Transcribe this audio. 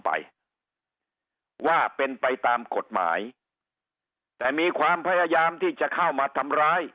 ไปว่าเป็นไปตามกฎหมายแต่มีความพยายามที่จะเข้ามาทำร้าย